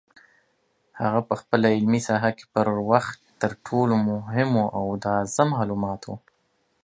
هغه په خپله علمي ساحه کې پر وخت تر ټولو مهمو او تازه معلوماتو